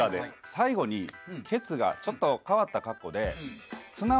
最後にケツがちょっと変わった格好で。